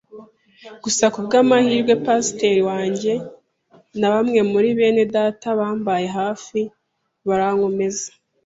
Gusa ku bw’amahirwe, Pasiteri wanjye na bamwe muri bene Data bambaye hafi barankomeza,